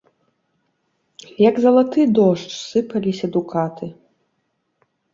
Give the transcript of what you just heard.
Як залаты дождж, сыпаліся дукаты.